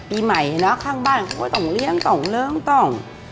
ปีใหม่เนอะข้างบ้านเขาก็ต้องเลี้ยงต้องเริ่มต้อง